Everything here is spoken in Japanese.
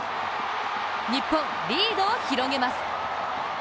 日本、リードを広げます。